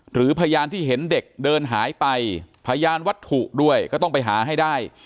หรือพยานที่เห็นเด็กเดินหายไปพยานวัตถุด้วยก็ต้องไปหาให้ได้